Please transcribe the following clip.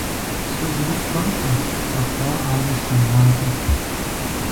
Сэ зыри сщӏэркъым, къэхъуаӏауи слъэгъуакъым.